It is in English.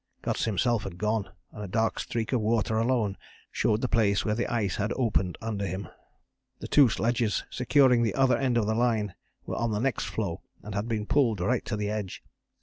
Guts himself had gone, and a dark streak of water alone showed the place where the ice had opened under him. The two sledges securing the other end of the line were on the next floe and had been pulled right to the edge.